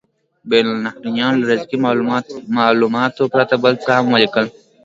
بین النهرینیانو له ریاضیکي مالوماتو پرته بل څه هم ولیکل.